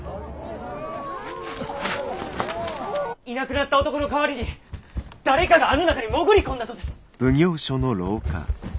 いなくなった男の代わりに誰かがあの中に潜り込んだとです。